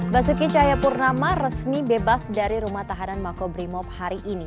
basuki cahayapurnama resmi bebas dari rumah tahanan makobrimob hari ini